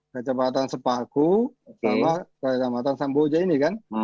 kecepatan sepaku sama kecepatan samboja ini kan